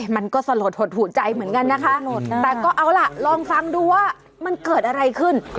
มันก็สลดหดหูใจเหมือนกันนะคะแต่ก็เอาล่ะลองฟังดูว่ามันเกิดอะไรขึ้น